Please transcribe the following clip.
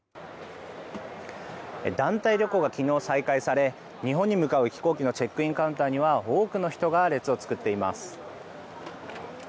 団体旅行が昨日再開され日本に向かう飛行機のチェックインカウンターの前には多くの人が列を作っています。